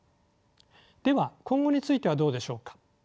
では今後についてはどうでしょうか？